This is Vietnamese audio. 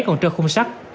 còn trơ khung sắt